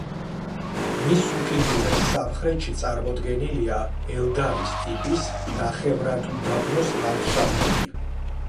მის უკიდურეს სამხრეთში წარმოდგენილია ელდარის ტიპის ნახევრადუდაბნოს ლანდშაფტები.